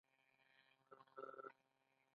پانګونه د کمونیزم پر ضد مناسب ځواب و.